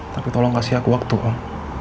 tapi tolong kasih aku waktu pak